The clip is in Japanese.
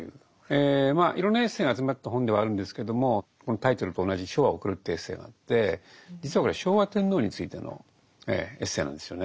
まあいろんなエッセイが集まった本ではあるんですけどもこのタイトルと同じ「『昭和』を送る」というエッセイがあって実はこれ昭和天皇についてのエッセイなんですよね。